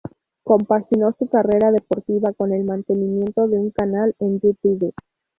Compaginó su carrera deportiva con el mantenimiento de un canal en Youtube.